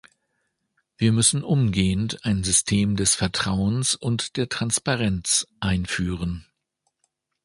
Wir müssen umgehend ein System des Vertrauens und der Transparenz einführen.